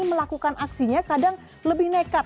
melakukan aksinya kadang lebih nekat